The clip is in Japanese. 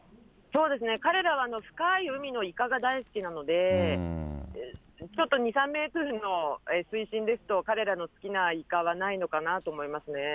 彼らは深い海のイカが大好きなので、ちょっと２、３メートルの水深ですと彼らの好きなイカはないのかなと思いますね。